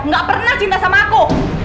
gak pernah cinta sama aku